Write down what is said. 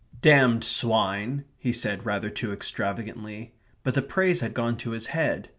"Damned swine!" he said, rather too extravagantly; but the praise had gone to his head.